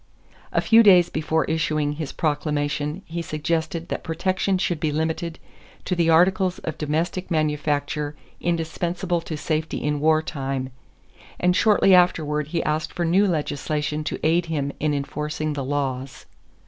A few days before issuing his proclamation he suggested that protection should be limited to the articles of domestic manufacture indispensable to safety in war time, and shortly afterward he asked for new legislation to aid him in enforcing the laws.